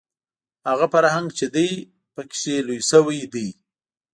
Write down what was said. هغه فرهنګ چې دی په کې لوی شوی دی